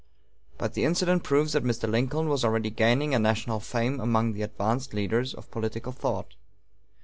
But the incident proves that Mr. Lincoln was already gaining a national fame among the advanced leaders of political thought.